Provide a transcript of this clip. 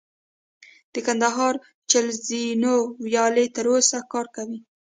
د کندهار چل زینو ویالې تر اوسه کار کوي